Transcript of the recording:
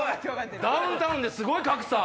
ダウンタウンですごい格差！